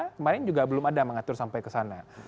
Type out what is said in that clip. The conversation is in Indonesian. kemarin juga belum ada mengatur sampai ke sana